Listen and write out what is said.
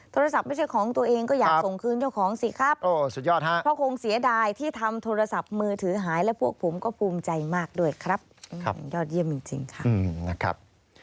ไม่ใช่ของตัวเองก็อยากส่งคืนเจ้าของสิครับเพราะคงเสียดายที่ทำโทรศัพท์มือถือหายและพวกผมก็ภูมิใจมากด้วยครับยอดเยี่ยมจริงค่ะนะครับ